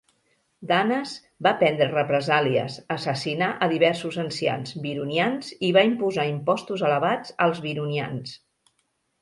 Danes va prendre represàlies, assassinà a diversos ancians Vironians i va imposar impostos elevats als Vironians.